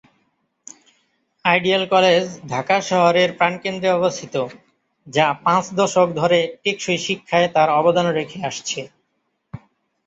Ideal college Dhaka শহরের প্রাণকেন্দ্রে অবস্থিত যা পাঁচ দশক ধরে টেকসই শিক্ষায় তার অবদান রেখে আসছে।